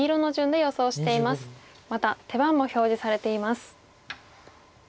また手番も表示されています。